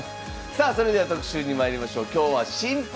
さあそれでは特集にまいりましょう。